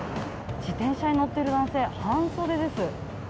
自転車に乗ってる男性、半袖です。